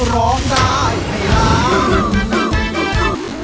ร้องดายให้ร้าง